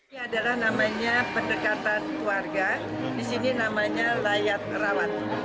ini adalah namanya pendekatan keluarga disini namanya layat rawat